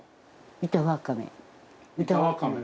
板ワカメ？